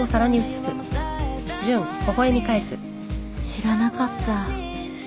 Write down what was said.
知らなかった。